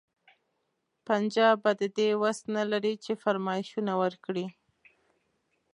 پنجاب به د دې وس نه لري چې فرمایشونه ورکړي.